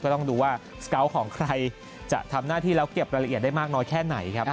ต้องดูว่าสเกาะของใครจะทำหน้าที่แล้วเก็บรายละเอียดได้มากน้อยแค่ไหนครับ